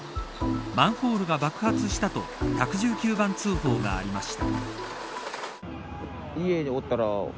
マンホールが爆発したと１１９番通報がありました。